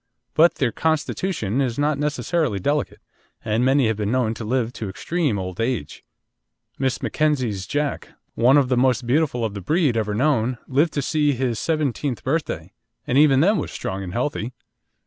But their constitution is not necessarily delicate, and many have been known to live to extreme old age. Miss Mackenzie's Jack, one of the most beautiful of the breed ever known, lived to see his seventeenth birthday, and even then was strong and healthy.